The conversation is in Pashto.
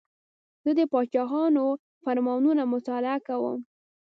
زه د پاچاهانو فرمانونه مطالعه کوم.